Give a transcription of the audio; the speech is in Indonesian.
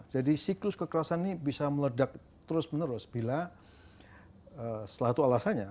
jadi siklus kekerasan ini bisa meledak terus menerus bila salah satu alasannya